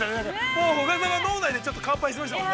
もう宇賀さんは、脳内でちょっと乾杯してましたもんね。